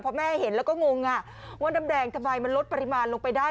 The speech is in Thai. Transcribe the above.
พอแม่เห็นแล้วก็งงว่าน้ำแดงทำไมมันลดปริมาณลงไปได้